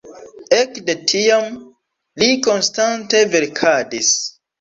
Ekde tiam li konstante verkadis.